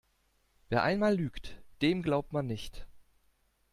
Wer einmal lügt, dem glaubt man nicht.